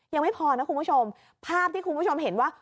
ยังไม่พอนะคุณผู้ชมภาพที่คุณผู้ชมเห็นว่า